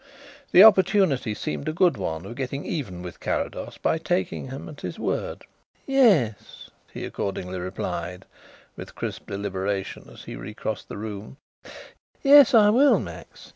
The opportunity seemed a good one of getting even with Carrados by taking him at his word. "Yes," he accordingly replied, with crisp deliberation, as he re crossed the room; "yes, I will, Max.